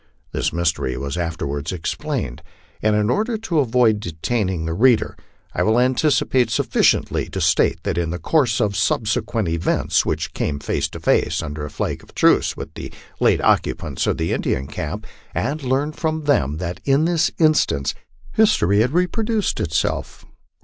This mystery was afterwards explained, and in order to avoid detaining the reader, I will anticipate sufficiently to state that in the course of subsequent events we came face to face, under a flag of truce, with the late occupants of the Indian camp, and learned from them that in this instance history had repro duced itself.